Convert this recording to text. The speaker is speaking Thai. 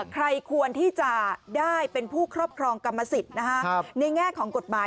ใครควรที่จะได้เป็นผู้ครอบครองกรรมสิทธิ์ในแง่ของกฎหมาย